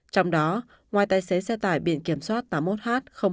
trong đó ngoài tài xế xe tải biển kiểm soát tám mươi một h